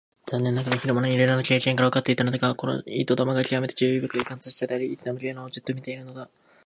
残念ながら昼間のいろいろな経験からわかっていたのだが、この糸玉がきわめて注意深い観察者であり、いつでも Ｋ のほうをじっと見ているのだ。